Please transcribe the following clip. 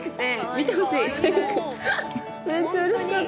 見てほしい。